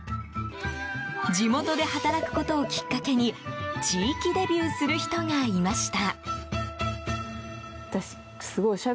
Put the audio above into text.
地元で働くことをきっかけに地域デビューする人がいました。